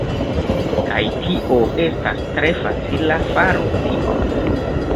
Kaj tio estas tre facila faru tion